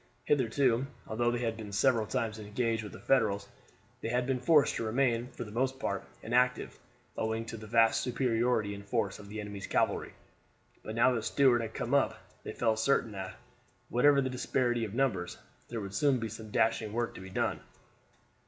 Hitherto, although they had been several times engaged with the Federals, they had been forced to remain for the most part inactive owing to the vast superiority in force of the enemy's cavalry; but now that Stuart had come up they felt certain that, whatever the disparity of numbers, there would soon be some dashing work to be done.